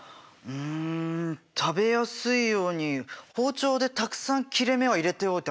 うん食べやすいように包丁でたくさん切れ目を入れておいたんだけどな。